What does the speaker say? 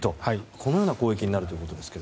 このような攻撃になるということですが。